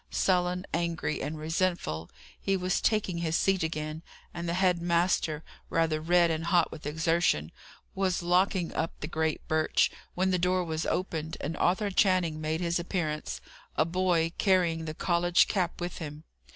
Sullen, angry, and resentful, he was taking his seat again, and the head master, rather red and hot with exertion, was locking up the great birch, when the door was opened, and Arthur Channing made his appearance; a boy, carrying the college cap, with him.